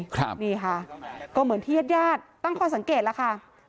ครับนี่ค่ะก็เหมือนที่ญาติญาติตั้งข้อสังเกตแล้วค่ะ